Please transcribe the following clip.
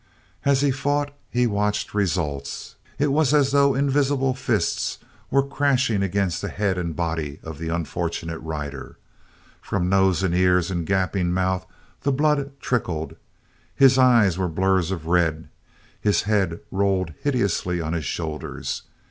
As he fought he watched results. It was as though invisible fists were crashing against the head and body of the unfortunate rider. From nose and ears and gaping mouth the blood trickled; his eyes were blurs of red; his head rolled hideously on his shoulders.